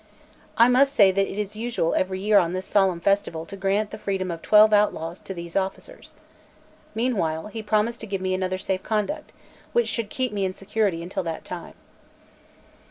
I may say that it is usual every year on this solemn festival to grant the freedom of twelve outlaws to these officers. Meanwhile he promised to give me another safe conduct, which should keep me in security until that time.